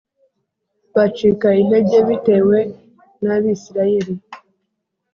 bacika intege bitewe n Abisirayeli